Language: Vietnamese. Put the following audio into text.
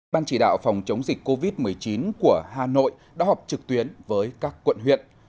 ban chỉ đạo phòng chống dịch covid một mươi chín của hà nội đã họp trực tuyến với các quận huyện